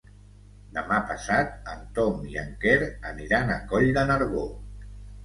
Demà passat en Tom i en Quer aniran a Coll de Nargó.